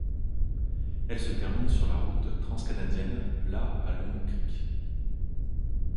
Elle se termine sur la route transcannadienne, la à Long Creek.